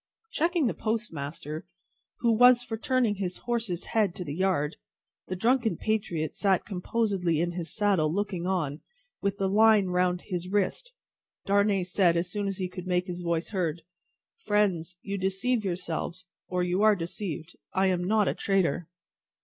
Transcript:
Checking the postmaster, who was for turning his horse's head to the yard (the drunken patriot sat composedly in his saddle looking on, with the line round his wrist), Darnay said, as soon as he could make his voice heard: "Friends, you deceive yourselves, or you are deceived. I am not a traitor."